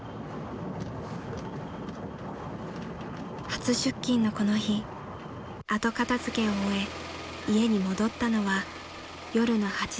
［初出勤のこの日後片付けを終え家に戻ったのは夜の８時すぎでした］